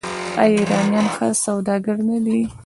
آیا ایرانیان ښه سوداګر نه دي؟